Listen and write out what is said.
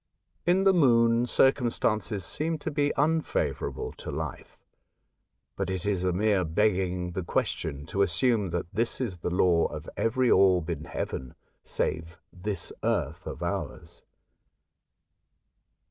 In the Moon, circumstances seem to be unfavourable to life ; but it is a mere begging the question to assume that this is the law of every orb in heaven save this earth of ours.